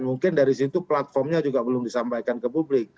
mungkin dari situ platformnya juga belum disampaikan ke publik